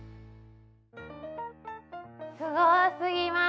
すごすぎます。